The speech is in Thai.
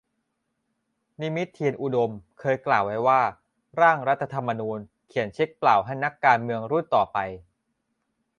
นิมิต เทียนอุดม เคยกล่าวไว้ว่า ร่างรัฐธรรมนูญ เขียนเช็คเปล่าให้นักการเมืองรุ่นต่อไป